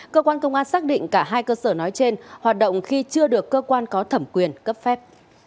cơ quan công an xác định cả hai cơ sở nói trên hoạt động khi chưa được cơ quan có thẩm quyền cấp phép